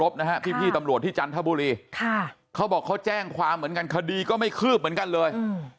พี่ตำรวจที่จันทบุรีเขาบอกเขาแจ้งความเหมือนกันคดีก็ไม่คืบเหมือนกันเลย